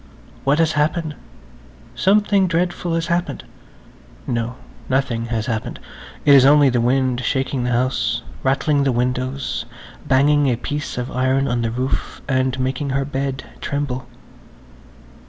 What has happened? Something dreadful has happened. No–nothing has happened. It is only the wind shaking the house, rattling the windows, banging a piece of iron on the roof and making her bed tremble.